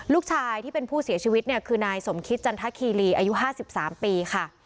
ลูกชายที่เป็นผู้เสียชีวิตเนี่ยคือนายสมคิตจันทคีรีอายุ๕๓ปีค่ะ